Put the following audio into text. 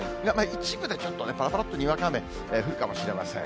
一部でちょっとね、ぱらぱらっとにわか雨、降るかもしれません。